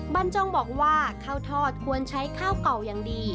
บรรจงบอกว่าข้าวทอดควรใช้ข้าวเก่าอย่างดี